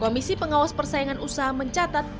komisi pengawas persaingan usaha mencatat